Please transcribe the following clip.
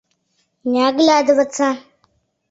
— Не оглядываться!